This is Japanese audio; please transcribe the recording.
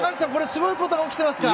すごいことが起きてますか。